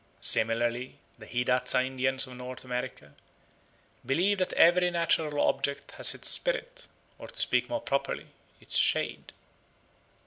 Similarly, the Hidatsa Indians of North America believe that every natural object has its spirit, or to speak more properly, its shade.